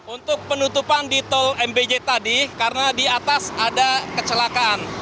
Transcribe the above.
untuk penutupan di tol mbj tadi karena di atas ada kecelakaan